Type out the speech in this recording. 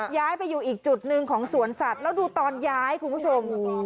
ย้ายไปอยู่อีกจุดหนึ่งของสวนสัตว์แล้วดูตอนย้ายคุณผู้ชม